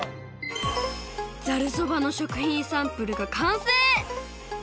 ざるそばの食品サンプルがかんせい！